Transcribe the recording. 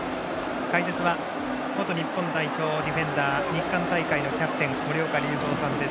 解説、元日本代表ディフェンダー日韓大会のキャプテン森岡隆三さんです。